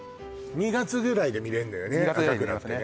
２月ぐらいで見れますね